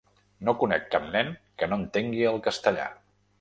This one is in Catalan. No conec cap nen que no entengui el castellà.